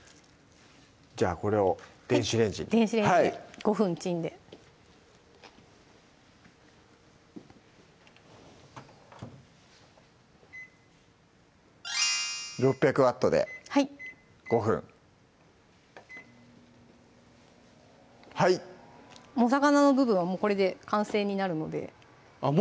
じゃあこれを電子レンジに電子レンジで５分チンで６００Ｗで５分お魚の部分はもうこれで完成になるのであっ